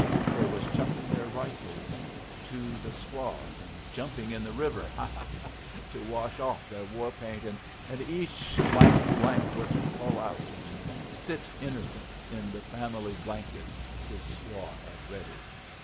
They was chucking their rifles to the squaws, and jumping in the river ha! ha! to wash off their war paint, and each would crawl out and sit innercint in the family blanket his squaw had ready.